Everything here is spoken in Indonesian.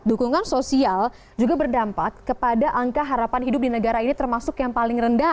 dukungan sosial juga berdampak kepada angka harapan hidup di negara ini termasuk yang paling rendah